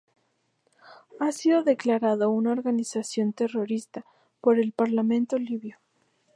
Ha sido declarado una organización terrorista por el parlamento libio.